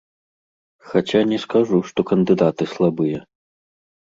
Хаця не скажу, што кандыдаты слабыя.